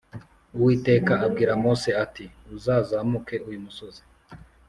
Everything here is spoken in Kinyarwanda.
Uwiteka abwira Mose ati Uzazamuke uyu musozi